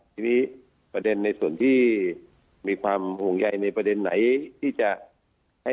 ทีนี้ประเด็นในส่วนที่มีความห่วงใยในประเด็นไหนที่จะให้